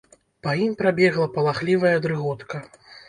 Па ім прабегла палахлівая дрыготка.